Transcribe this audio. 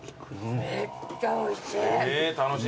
めっちゃおいしい。